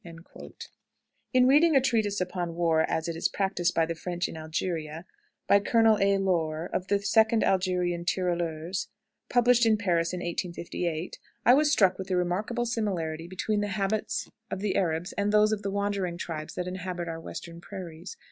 In reading a treatise upon war as it is practiced by the French in Algeria, by Colonel A. Laure, of the 2d Algerine Tirailleurs, published in Paris in 1858, I was struck with the remarkable similarity between the habits of the Arabs and those of the wandering tribes that inhabit our Western prairies.